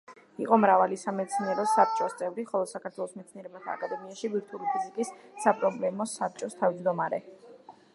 იყო მრავალი სამეცნიერო საბჭოს წევრი, ხოლო საქართველოს მეცნიერებათა აკადემიაში ბირთვული ფიზიკის საპრობლემო საბჭოს თავმჯდომარე.